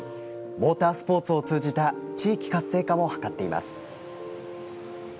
モータースポーツを通じた地域活性化も図っています。